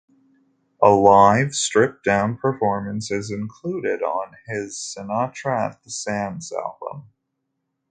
A live, stripped-down performance is included on his "Sinatra at the Sands" album.